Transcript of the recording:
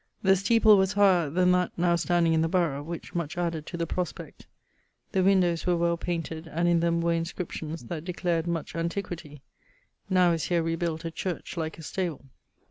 The steeple was higher then that now standing in the borough, which much added to the prospect. The windowes were well painted, and in them were inscriptions that declared much antiquitie; now is here rebuilt a church like a stable.